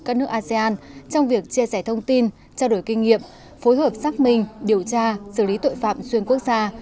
các nước asean trong việc chia sẻ thông tin trao đổi kinh nghiệm phối hợp xác minh điều tra xử lý tội phạm xuyên quốc gia